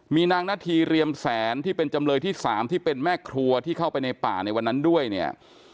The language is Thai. มีนางนาธีเรียมแสนที่เป็นจำเลยที่๓ที่เป็นแม่ครัวที่เข้าไปในป่าในวันนั้นด้วยเนี่ย